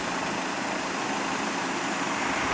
พลิกถามไปถามมาไปเลยให้ชิคกี้พายนั่นก็